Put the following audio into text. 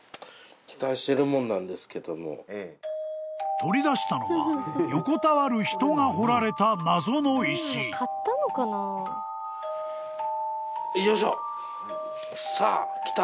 ［取り出したのは横たわる人が彫られた謎の石］さあきた。